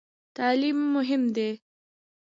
تعلیم مهم دی؟